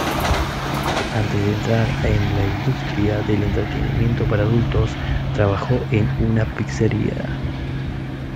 Antes de entrar en la industria del entretenimiento para adultos, trabajó en una pizzería.